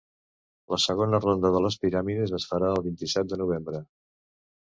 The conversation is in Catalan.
La segona ronda de les primàries es farà el vint-i-set de novembre.